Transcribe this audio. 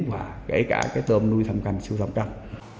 và kể cả cái tôm nuôi thăm canh siêu thăm canh